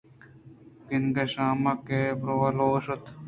کَنٛگ شام ءَ کہ روٛباہے لوگ ءَ شُت